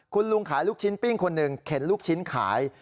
คุณลุงขายลูกชิ้นปิ้งคนหนึ่งเข็นลูกชิ้นขาย